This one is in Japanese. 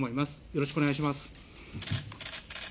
よろしくお願いします。